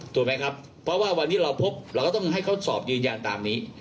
ถูกไหมครับเพราะว่าวันนี้เราพบเราก็ต้องให้เขาสอบยืนยันตามนี้